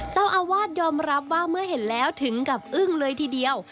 เจ้าอาวาสยอมรับว่าเมื่อเห็นแล้วถึงกับอึ้งเลยทีเดียว